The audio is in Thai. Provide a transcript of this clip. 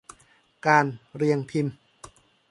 การเรียงพิมพ์